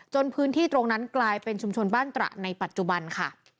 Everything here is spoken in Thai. พื้นที่ตรงนั้นกลายเป็นชุมชนบ้านตระในปัจจุบันค่ะ